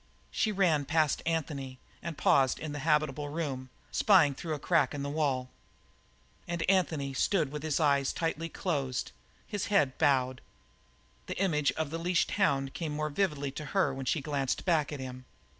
She ran past Anthony and paused in the habitable room, spying through a crack in the wall. And Anthony stood with his eyes tightly closed, his head bowed. The image of the leashed hound came more vividly to her when she glanced back at him.